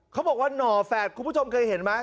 เขาบอกว่าหน่อแฝดคุณผู้ชมเคยเห็นไหม